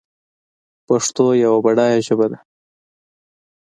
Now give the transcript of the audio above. پښتو یوه بډایه ژبه ده